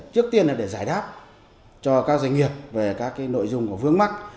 trước tiên là để giải đáp cho các doanh nghiệp về các nội dung của vướng mắt